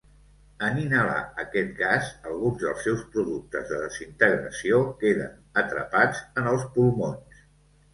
En inhalar aquest gas, alguns dels seus productes de desintegració queden atrapats en els pulmons.